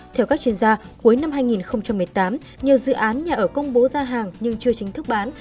theo các chuyên gia cuối năm hai nghìn một mươi tám nhiều dự án nhà ở công bố ra hàng nhưng chưa chính thức bán